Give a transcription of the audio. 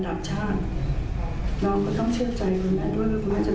ว่าจะสำเร็จ